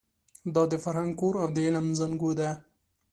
دا د فرهنګ کور او د علم زانګو ده.